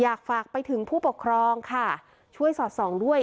อยากฝากไปถึงผู้ปกครองค่ะช่วยสอดส่องด้วย